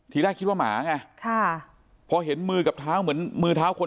ทีแรกคิดว่าหมาไงค่ะพอเห็นมือกับเท้าเหมือนมือเท้าคน